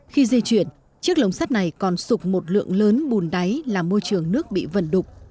khi di chuyển chiếc lồng sắt này còn sụp một lượng lớn bùn đáy làm môi trường nước bị vần đục